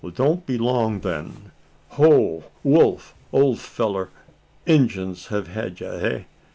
"Don't be long then. Ho, Wolf! ole fellur! Injuns have had ye, eh?